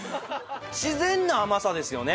自然な甘さですよね。